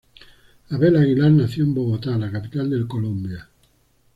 Abel Aguilar nació en Bogotá, la capital de Colombia.